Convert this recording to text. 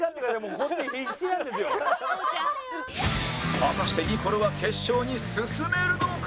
果たしてニコルは決勝に進めるのか？